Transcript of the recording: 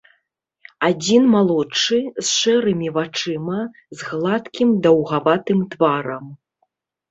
Адзін малодшы, з шэрымі вачыма, з гладкім даўгаватым тварам.